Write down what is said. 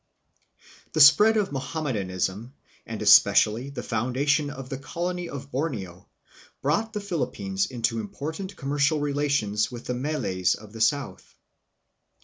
The spread of Mohammedanism and especially the foundation of the colony of Borneo brought the Philippines into important commercial relations with the Malays of the south.